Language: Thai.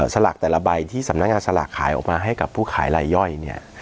สลากแต่ละใบที่สำนักงานสลากขายออกมาให้กับผู้ขายลายย่อยเนี่ย